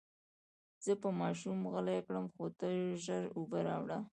زه به ماشوم غلی کړم، خو ته ژر اوبه راوړه.